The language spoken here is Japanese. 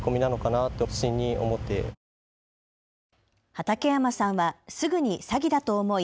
畠山さんはすぐに詐欺だと思い